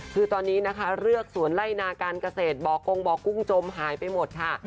คือตอนนี้นะคะเรือกสวนไล่นาการเกษตรบ่อกงบ่อกุ้งจมหายไปหมดค่ะ